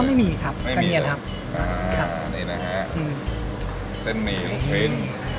ก็ไม่มีครับไม่มีหรอครับอ่านี่นะฮะอืมเส้นหมี่ลูกชิ้น